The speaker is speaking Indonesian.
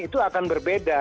itu akan berbeda